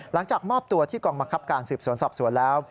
หลังจากมอบตัวที่กองบังคับการสืบสวนสอบสวนแล้ว